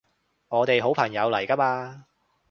我哋好朋友嚟㗎嘛